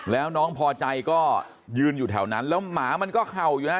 แล้วน้องพอใจก็ยืนอยู่แถวนั้นแล้วหมามันก็เห่าอยู่นะ